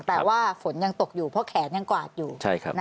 แต่ว่าฝนยังตกอยู่เพราะแขนยังกวาดอยู่